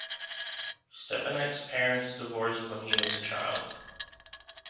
Stepanek's parents divorced when he was a child.